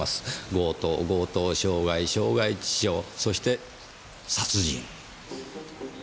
強盗強盗傷害傷害致傷そして殺人。